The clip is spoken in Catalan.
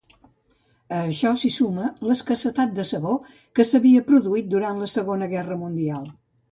A això s'hi suma l'escassetat de sabó que s'havia produït durant la Segona Guerra Mundial.